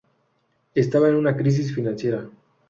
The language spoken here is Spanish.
Estaba en una crisis financiera.